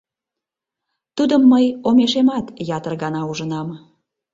Тудым мый омешемат ятыр гана ужынам.